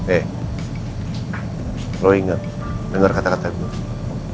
eh lo inget denger kata kata gue